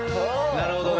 なるほどね！